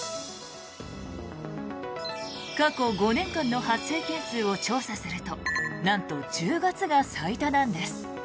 過去５年間の発生件数を調査するとなんと、１０月が最多なんです。